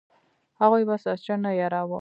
هغوی به ساسچن نه یراو.